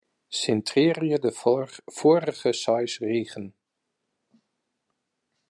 Sintrearje de foarige seis rigen.